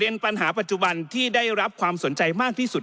ในปัจจุบันที่ได้รับความสนใจมากที่สุด